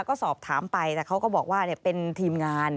ก็สอบถามไปแต่เขาก็บอกว่าเป็นทีมงาน